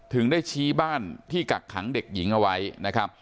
ถึงได้ชี้บ้านที่กักขังเด็กหญิงเอาไว้นะครับ